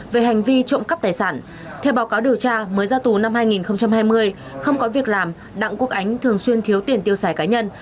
về hành vi trộm cắp tài sản theo báo cáo điều tra mới ra tù năm hai nghìn hai mươi không có việc làm đặng quốc ánh thường xuyên thiếu tiền tiêu xài cá nhân